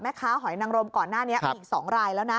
แม่ค้าหอยนังรมก่อนหน้านี้อีก๒รายแล้วนะ